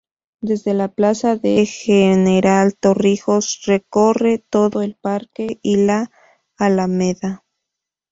Desde la Plaza del General Torrijos recorre todo el Parque y la Alameda.